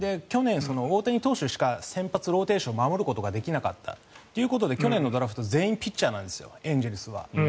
去年、大谷選手しか先発ローテーション守ることができなかったということで去年のドラフトは全員ピッチャーなんですエンゼルスは。